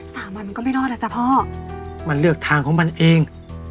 สามวันมันก็ไม่รอดอ่ะจ้ะพ่อมันเลือกทางของมันเอง